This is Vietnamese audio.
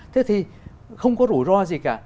thế thì không có rủi ro gì cả